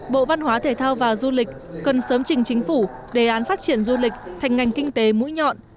bộ văn hóa thể thao và du lịch cần sớm trình chính phủ đề án phát triển du lịch thành ngành kinh tế mũi nhọn